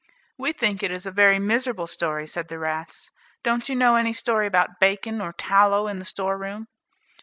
"We think it is a very miserable story," said the rats. "Don't you know any story about bacon, or tallow in the storeroom."